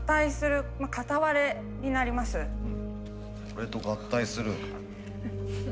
これと合体する。